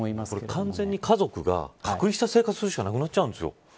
完全に家族が隔離した生活をするしかなくなっちゃうんですよ。